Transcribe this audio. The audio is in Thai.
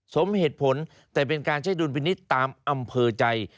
สมเหตุผลแต่เป็นการใช้ดุลพินิษฐ์ตามอำเภอใจ